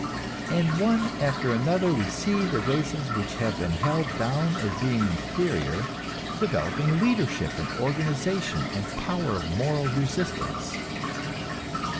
And one after another we see the races which have been held down as being inferior, developing leadership and organization and power of moral resistance.